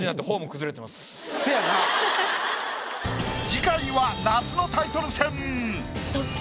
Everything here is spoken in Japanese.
次回は夏のタイトル戦。